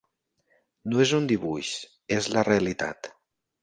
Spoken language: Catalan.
No és un dibuix, és la realitat.